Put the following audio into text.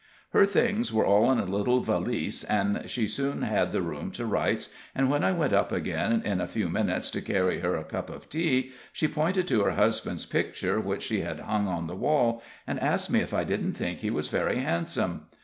Her things were all in a little valise, and she soon had the room to rights, and when I went up again in a few minutes to carry her a cup of tea, she pointed to her husband's picture which she had hung on the wall, and asked me if I didn't think he was very handsome.